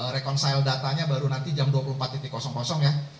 reconcile datanya baru nanti jam dua puluh empat ya